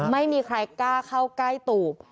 ไม่มีใครกล้าเข้าใกล้ตูบ